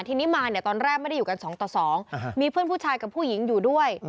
ทีนี้มาเนี่ยตอนแรกไม่ได้อยู่กัน๒ต่อ๒มีเพื่อนผู้ชายกับผู้หญิงอยู่ด้วย